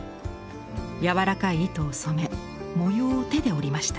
柔らかい糸を染め模様を手で織りました。